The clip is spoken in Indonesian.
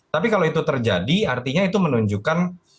tapi kalau itu terjadi artinya itu menunjukkan